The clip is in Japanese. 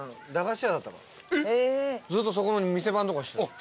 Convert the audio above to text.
ずっとそこの店番とか。